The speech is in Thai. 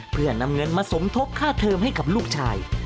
เพื่อนำเงินมาสมทบค่าเทอมให้กับลูกชาย